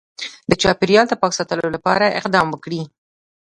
د چاپیریال د پاک ساتلو لپاره اقدام وکړي